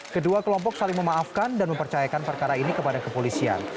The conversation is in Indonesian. kedua kelompok saling memaafkan dan mempercayakan perkara ini kepada kepolisian